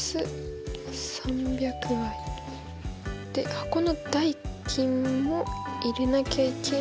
箱の代金も入れなきゃいけないから。